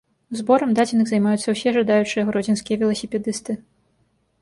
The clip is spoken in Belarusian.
Зборам дадзеных займаюцца ўсе жадаючыя гродзенскія веласіпедысты.